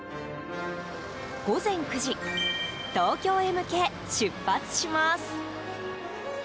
午前９時東京へ向け出発します。